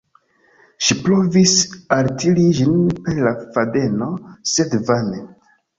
Ŝi provis altiri ĝin per la fadeno, sed vane.